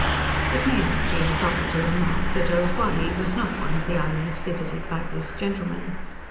It may not be improper to remark, that Owhyee was not one of the islands visited by this gentleman.